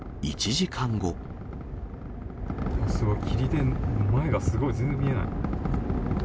すごい、霧で前がすごい全然見えない。